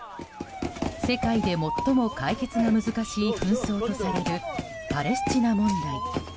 世界で最も解決が難しい紛争とされるパレスチナ問題。